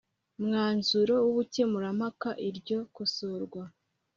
Mwanzuro w ubukemurampaka iryo kosorwa